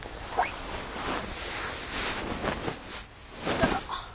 どうぞ。